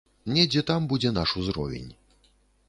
Недзе там будзе наш узровень.